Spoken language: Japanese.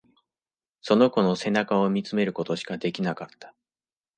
その子の背中を見つめることしかできなかった。